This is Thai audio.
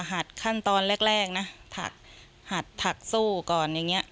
หัดขั้นตอนแรกนะถักหัดถักสู้ก่อนอย่างเงี้